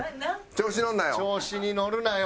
調子に乗るなよ。